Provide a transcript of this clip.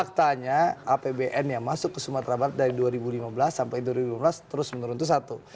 faktanya apbn yang masuk ke sumatera barat dari dua ribu lima belas sampai dua ribu lima belas terus menurun itu satu